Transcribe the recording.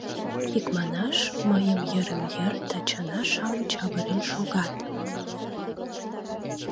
Икманаш, мыйым йырым-йыр Тачана-шамыч авырен шогат!